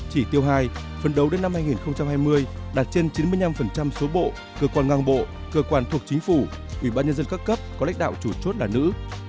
chỉ tiêu hai phần đầu đến năm hai nghìn hai mươi đạt trên chín mươi năm số bộ cơ quan ngang bộ cơ quan thuộc chính phủ ủy ban nhân dân các cấp có lãnh đạo chủ chốt là nữ